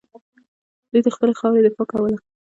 دوی د خپلې خاورې دفاع کوله